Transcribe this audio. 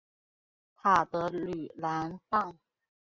塔德吕兰让。